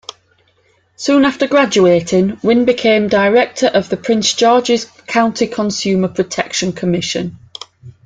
Soon after graduating, Wynn became director of the Prince George's County Consumer Protection Commission.